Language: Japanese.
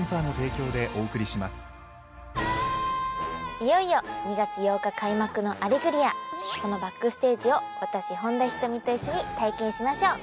いよいよ２月８日開幕の『アレグリア』そのバックステージを私本田仁美と一緒に体験しましょう。